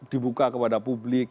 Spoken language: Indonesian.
dibuka kepada publik